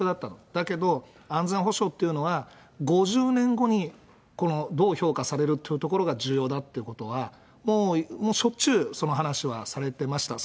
だけど、安全保障っていうのは、５０年後にこのどう評価されるっていうことが重要だっていうことは、もうしょっちゅう、その話はされてました。